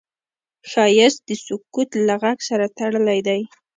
ښایست د سکوت له غږ سره تړلی دی